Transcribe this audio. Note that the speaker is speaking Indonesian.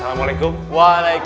allah dialah tuhan yang maha hak